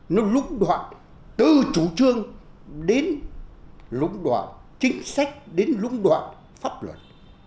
nó lũng đoạn từ chủ trương đến lũng đoạn chính sách đến lũng đoạn pháp luật